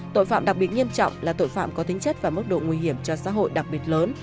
tội phạm đặc biệt nghiêm trọng là tội phạm có tính chất và mức độ nguy hiểm cho xã hội đặc biệt lớn